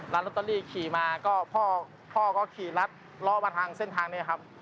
ลอตเตอรี่ขี่มาก็พ่อก็ขี่รัดล้อมาทางเส้นทางนี้ครับ